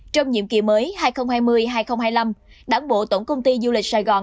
trong nhiệm kỳ mới hai nghìn hai mươi hai nghìn hai mươi năm đảng bộ tổng công ty du lịch sài gòn